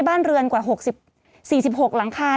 ศูนย์อุตุนิยมวิทยาภาคใต้ฝั่งตะวันอ่อค่ะ